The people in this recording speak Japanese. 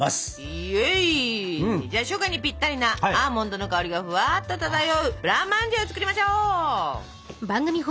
イエイ初夏にピッタリなアーモンドの香りがふわっと漂うブランマンジェを作りましょう。